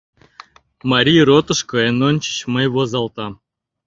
Марий ротышко эн ончыч мый возалтам.